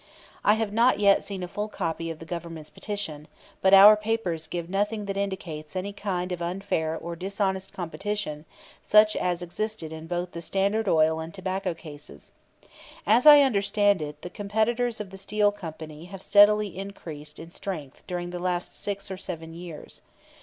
I have not yet seen a full copy of the Government's petition, but our papers give nothing that indicates any kind of unfair or dishonest competition such as existed in both the Standard Oil and Tobacco Cases. As I understand it, the competitors of the Steel Company have steadily increased in strength during the last six or seven years.